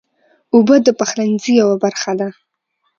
اوبه د پخلنځي یوه برخه ده.